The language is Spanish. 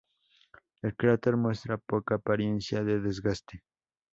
El cráter muestra poca apariencia de desgaste.